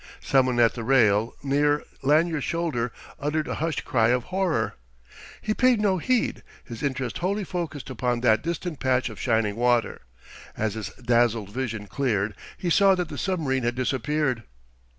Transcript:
Someone at the rail, near Lanyard's shoulder, uttered a hushed cry of horror. He paid no heed, his interest wholly focussed upon that distant patch of shining water. As his dazzled vision cleared he saw that the submarine had disappeared.